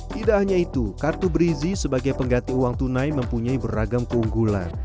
tidak hanya itu kartu brizi sebagai pengganti uang tunai mempunyai beragam keunggulan